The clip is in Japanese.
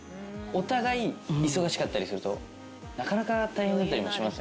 お互い忙しかったりするとなかなか大変だったりもしますよね。